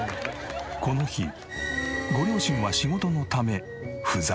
この日ご両親は仕事のため不在。